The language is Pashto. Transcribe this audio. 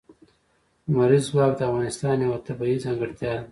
لمریز ځواک د افغانستان یوه طبیعي ځانګړتیا ده.